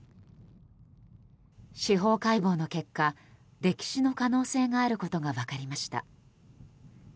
司法解剖の結果溺死の可能性があることが分かりました。